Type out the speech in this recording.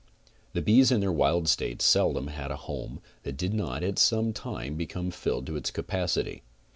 The bees in their wild state seldom had a home that did not at some time become filled to its capacity.